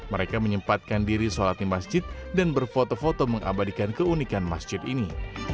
mereka menyempatkan diri sholat di masjid dan berfoto foto mengabadikan keunikan masjid ini